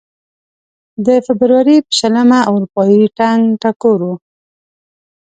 د فبروري په شلمه اروپايي ټنګ ټکور و.